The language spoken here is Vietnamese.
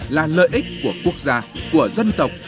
là lợi ích của quốc gia của dân tộc